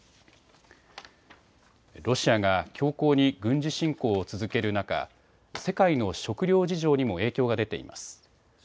ロシアが強硬に軍事侵攻を続ける中、世界の食糧事情にも影響が出ています。